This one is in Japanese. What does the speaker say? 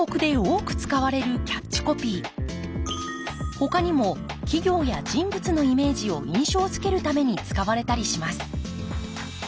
ほかにも企業や人物のイメージを印象づけるために使われたりします